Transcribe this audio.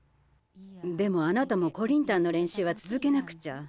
でもあなたもコリンタンのれんしゅうはつづけなくちゃ。